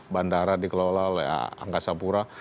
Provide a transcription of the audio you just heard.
bandara dikelola oleh angkasa pura